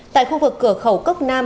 tại khu vực cửa khẩu cốc nam